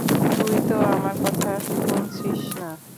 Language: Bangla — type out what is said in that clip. তুই তো আমার কথা শুনছিস না।